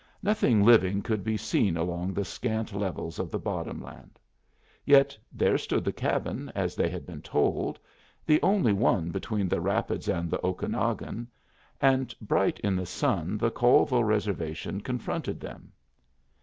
Nothing living could be seen along the scant levels of the bottom land. Yet there stood the cabin as they had been told, the only one between the rapids and the Okanagon; and bright in the sun the Colville Reservation confronted them.